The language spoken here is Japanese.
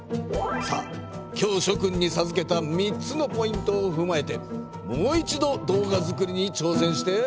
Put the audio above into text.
さあ今日しょ君にさずけた３つのポイントをふまえてもう一度動画作りに挑戦してもらおう。